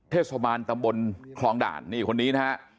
เทศบาลตำบลคลองด่านนี่คนนี้นะฮะ